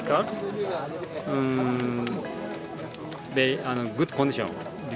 karena area ini sangat baik